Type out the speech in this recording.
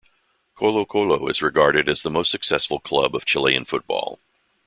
Colo-Colo is regarded as the most successful club of Chilean football.